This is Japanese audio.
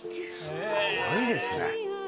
すごいですね。